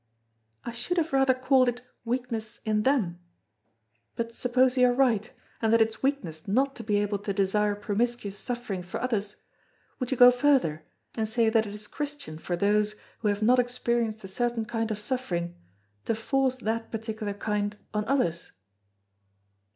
"I should have rather called it weakness in them. But suppose you are right, and that it's weakness not to be able to desire promiscuous suffering for others, would you go further and say that it is Christian for those, who have not experienced a certain kind of suffering, to force that particular kind on others?"